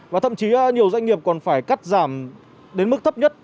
và thậm chí nhiều doanh nghiệp còn phải cắt giảm đến mức thấp nhất